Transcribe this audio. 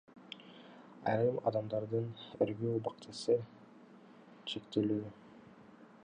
Айрым адамдардын өргүү убактысы чектелүү.